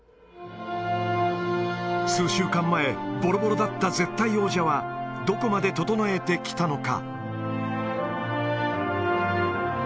数週間前、ぼろぼろだった絶対王者は、どこまで整えてきたのか。